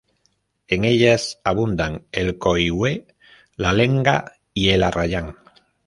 En ellas abundan el coihue, la lenga y el arrayán.